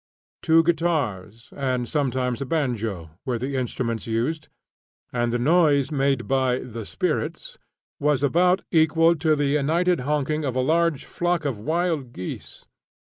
Two guitars, with sometimes a banjo, were the instruments used, and the noise made by "the spirits" was about equal to the united honking of a large flock of wild geese.